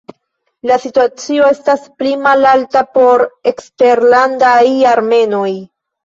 La situacio estas pli malalta por eksterlandaj armenoj.